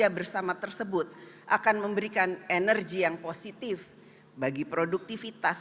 dan juga dengan cara membangun indonesia tersebut akan memberikan energi yang positif bagi produktivitas